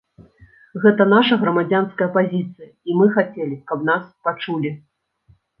Гэта наша грамадзянская пазіцыя і мы хацелі, каб нас пачулі.